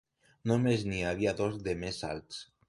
Només n'hi havia dos de més alts.